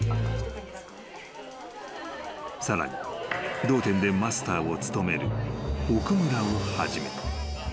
［さらに同店でマスターを務める奥村をはじめ］